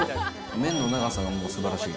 麺の長さがもうすばらしい。